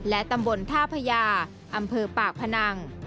และตำบลท่าพญาอำเภอปากพนัง